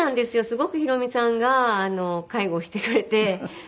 すごくヒロミさんが介護してくれて。